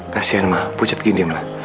kasian ma pucat gini ma